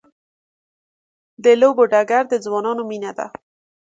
د لوبو ډګر د ځوانانو مینه ده.